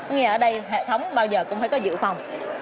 như ở đây hệ thống bao giờ cũng phải có giữ phòng